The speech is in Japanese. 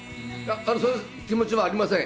そういう気持ちはありません。